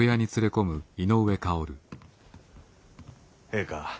ええか。